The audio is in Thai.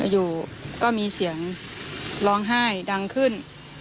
อยู่ก็มีเสียงร้องไห้ดังขึ้น